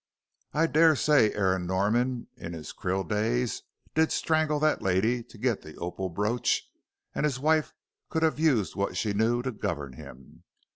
I daresay Aaron Norman in his Krill days did strangle that lady to get the opal brooch and his wife could have used what she knew to govern him.